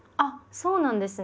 そうなんですね。